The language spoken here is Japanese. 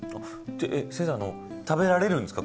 先生食べられるんですか？